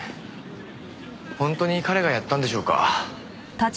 本当に彼がやったんでしょうか。